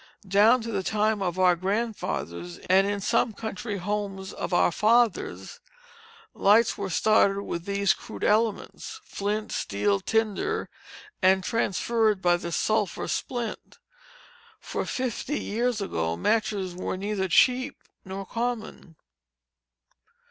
Down to the time of our grandfathers, and in some country homes of our fathers, lights were started with these crude elements, flint, steel, tinder, and transferred by the sulphur splint; for fifty years ago matches were neither cheap nor common.